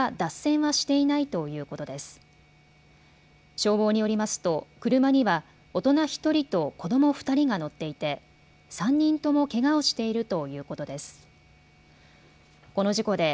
消防によりますと車には大人１人と子ども２人が乗っていて３人ともけがをしているということです。